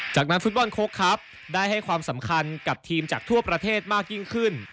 จากนั้นฟุตบอลโค้กครับได้ให้ความสำคัญกับทีมจากทั่วประเทศมากยิ่งขึ้น